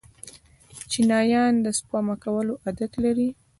چینایان د سپما کولو عادت لري.